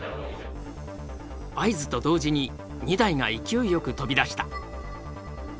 合図と同時に２台が勢いよく飛び出した。